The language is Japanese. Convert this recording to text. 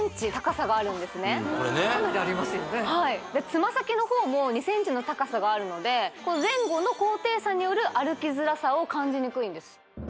つま先の方も２ｃｍの高さがあるので前後の高低差による歩きづらさを感じにくいんです